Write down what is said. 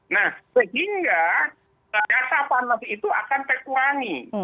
nah sehingga data panas itu akan terkurangi